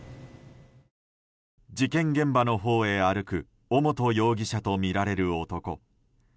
事件現場のほうへ歩く尾本容疑者とみられる男。